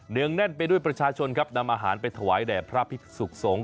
เหนื่องแน่นไปด้วยประชาชนครับนำอาหารไปถวายแด่พระพิศุกร์สงฆ์